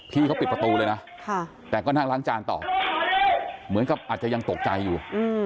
พี่เขาปิดประตูเลยนะแต่ก็นั่งล้างจานต่อเหมือนกับอาจจะยังตกใจอยู่